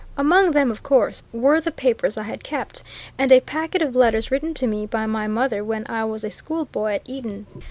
Among them, of course, were the papers I had kept, and a packet of letters written to me by my mother when I was a schoolboy at Eton.